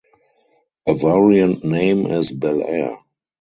A variant name is "Bel Air".